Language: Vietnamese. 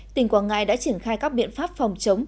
tỉnh quảng ngãi đã triển khai các biện pháp phòng chống